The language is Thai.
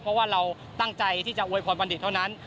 เพราะว่าเราตั้งใจที่จะอวยพรบัณฑิตเท่านั้น